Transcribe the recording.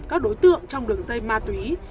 các đối tượng trong đường dây ma túy